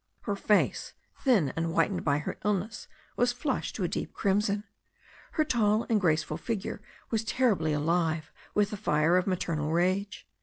Her face, thin and whitened by her illness, was flushed to a deep crimson. Her tall and grace ful figure was terribly alive with the fire of maternal rage.